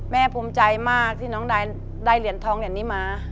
ภูมิใจมากที่น้องได้เหรียญทองเหรียญนี้มา